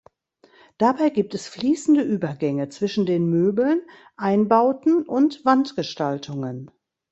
Dabei gibt es fließende Übergänge zwischen den Möbeln, Einbauten und Wandgestaltungen.